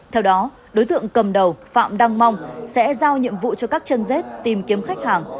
theo đó đối tượng cầm đầu phạm đăng mong sẽ giao nhiệm vụ cho các chân dết tìm kiếm khách hàng